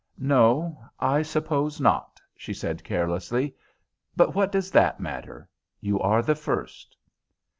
"No, I suppose not," she said carelessly. "But what does that matter? You are the first."